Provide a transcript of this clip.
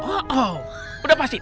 oh udah pasti